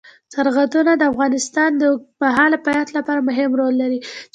سرحدونه د افغانستان د اوږدمهاله پایښت لپاره مهم رول لري.